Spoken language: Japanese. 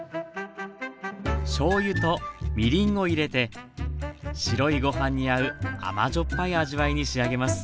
しょうゆとみりんを入れて白いご飯に合う甘じょっぱい味わいに仕上げます。